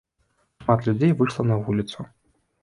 Шмат людзей выйшла на вуліцу.